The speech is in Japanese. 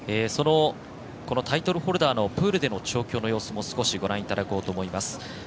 タイトルホルダーのプールでの調教の様子も少しご覧いただこうと思います。